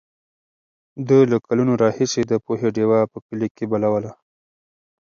ده له کلونو راهیسې د پوهې ډېوه په کلي کې بلوله.